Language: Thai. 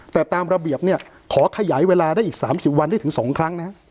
แต่ตามระเบียบเนี่ยขอขยายเวลาได้อีก๓๐วันได้ถึง๒ครั้งนะครับ